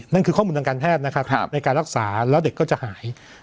นั่นคือข้อมูลทางการแพทย์นะครับในการรักษาแล้วเด็กก็จะหาย